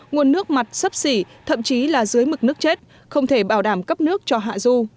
nguồn nước mặt sấp xỉ thậm chí là dưới mực nước chết không thể bảo đảm cấp nước cho hạ du